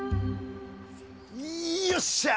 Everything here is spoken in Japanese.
よっしゃ！